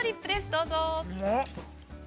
どうぞ。